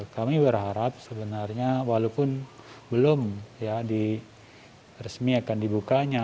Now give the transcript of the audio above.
kami berharap sebenarnya walaupun belum resmi akan dibukanya